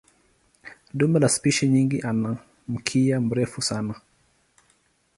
Dume la spishi nyingi ana mkia mrefu sana.